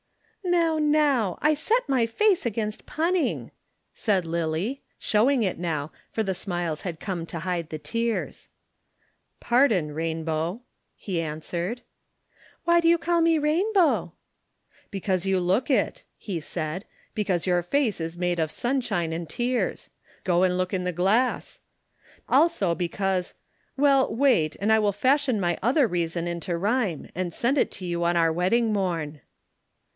"Now, now! I set my face against punning!" said Lillie, showing it now, for the smiles had come to hide the tears. "Pardon, Rainbow," he answered. "Why do you call me Rainbow?" "Because you look it," he said. "Because your face is made of sunshine and tears. Go and look in the glass. Also because well, wait and I will fashion my other reason into rhyme and send it you on our wedding morn."